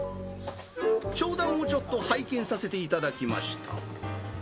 商談をちょっと拝見させていただきました。